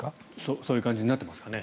そういう感じになってますかね？